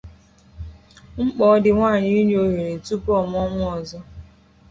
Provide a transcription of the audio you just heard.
Mkpa Ọ Dị Nwaanyi Inye Ohere Tupu Ọ Mụa Nwa Ọzọ